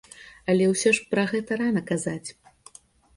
Але ўсё ж пра гэта рана казаць.